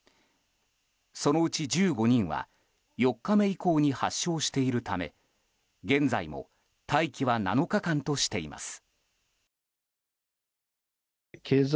そのうち１５人は４日目以降に発症しているため現在も待機は７日間としています。